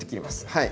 はい。